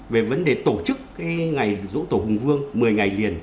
về vấn đề tổ chức ngày dỗ tổ hùng vương một mươi ngày liền